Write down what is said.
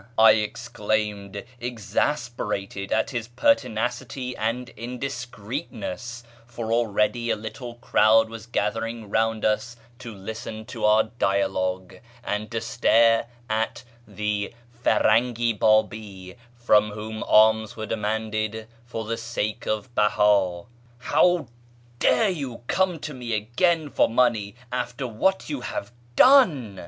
" I exclaimed, exasperated at his pertinacity and indiscreetness (for already a little crowd was gathering round us to listen to our dialogue, and to stare at " the Firangi Babi," from whom alms were demanded " for AMONGST THE KALANDARS 527 the sake of Beha ")," how dare you come to me again for money after what you have done